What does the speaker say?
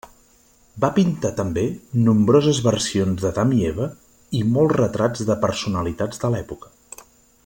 Va pintar també nombroses versions d'Adam i Eva i molts retrats de personalitats de l'època.